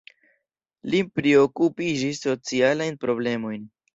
Li priokupiĝis socialajn problemojn.